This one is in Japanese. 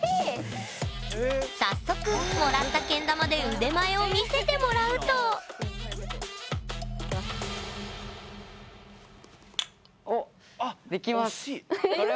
早速もらったけん玉で腕前を見せてもらうとあっ惜しい。